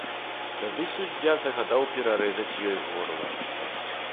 Тады суддзя загадаў перарэзаць ёй горла.